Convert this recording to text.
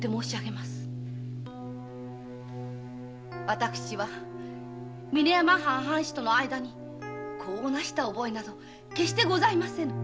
私は峰山藩藩士との間に子をなした覚えなど決してございませぬ。